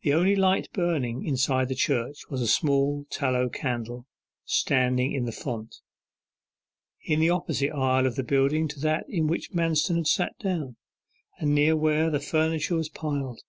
The only light burning inside the church was a small tallow candle, standing in the font, in the opposite aisle of the building to that in which Manston had sat down, and near where the furniture was piled.